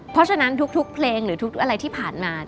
เพราะฉะนั้นทุกเพลงหรือทุกอะไรที่ผ่านมา